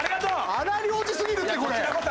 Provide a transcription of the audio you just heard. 荒療治すぎるってこれ！